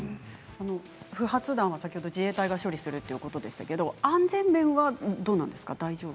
不発弾は先ほど自衛隊が処理するということでしたが安全面はどうなんですか。